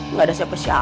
nggak ada siapa siapa